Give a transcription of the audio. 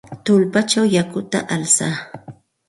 Tullpachaw yakuta alsay.